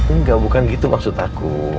enggak bukan gitu maksud aku